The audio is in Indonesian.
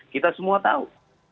kita semua tahu